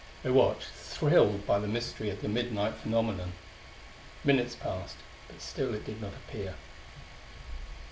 They watched, thrilled by the mystery of the midnight phenomenon. Minutes passed, but still it did not appear.